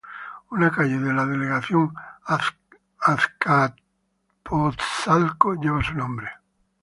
Una calle de la delegación Azcapotzalco lleva su nombre.